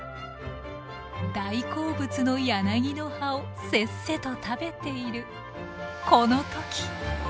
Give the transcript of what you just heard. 大好物のヤナギの葉をせっせと食べているこの時。